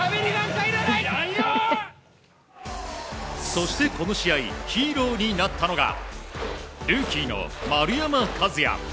そして、この試合ヒーローになったのがルーキーの丸山和郁。